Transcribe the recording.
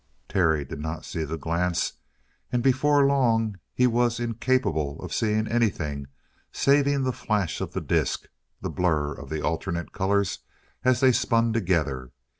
Terry did not see the glance, and before long he was incapable of seeing anything saving the flash of the disk, the blur of the alternate colors as they spun together.